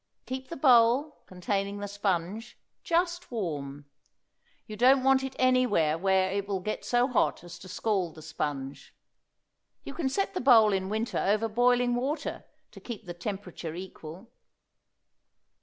Keep the bowl, containing the sponge, just warm. You don't want it anywhere where it will get so hot as to scald the sponge. You can set the bowl in winter over boiling water to keep the temperature equal.